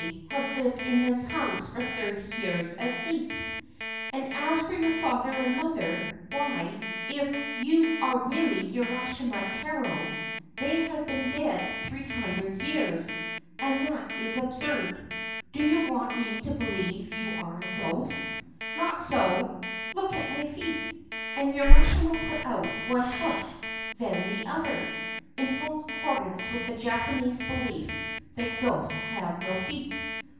have lived in this house for thirty years at least, and, as for your father and mother why, if you are really Urashima Taro, they have been dead three hundred years ; and that is absurd. Do you want me to believe you are a ghost ?'' Not so ; look at my feet.' And Urashima put out one foot and then the other, in full accordance with the Japanese belief that ghosts have no feet.